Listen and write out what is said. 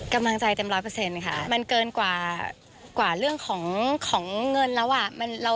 กำลังใจเต็ม๑๐๐ขาดมันเกินกว่าเรื่องของเงินแล้วอ่ะ